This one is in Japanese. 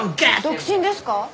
独身ですか？